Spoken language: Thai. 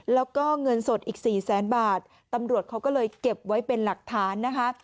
แล้วก็เงินสดอีกสี่แสนบาทตำรวจเขาก็เลยเก็บไว้เป็นหลักฐานนะคะ